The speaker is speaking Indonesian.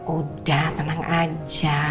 udah tenang aja